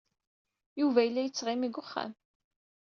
Yuba yella yettɣimi deg wexxam.